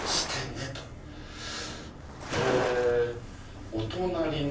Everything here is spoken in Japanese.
えお隣ね。